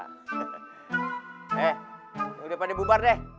he lo daripada bubar deh